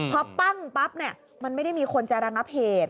พอปั้งปั๊บเนี่ยมันไม่ได้มีคนจะระงับเหตุ